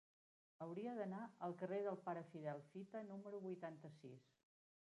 Hauria d'anar al carrer del Pare Fidel Fita número vuitanta-sis.